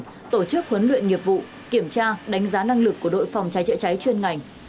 đã tổ chức huấn luyện nghiệp vụ kiểm tra đánh giá năng lực của đội phòng trái trịa trái chuyên ngành